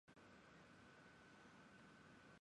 jjjjjjjjjjjjjjjjj